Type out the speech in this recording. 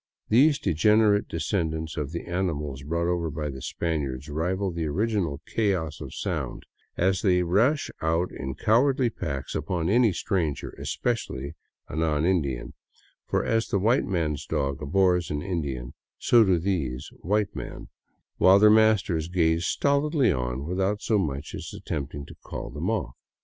These degenerate descendants of the animals brought over by the Spaniards rival the original chaos of sound as they rush out in cowardly packs upon any stranger — especially a non Indian, for as the white man's dog abhors an Indian, so do these a white man — while their masters gaze stolidly on, without so much as attempting to call them off.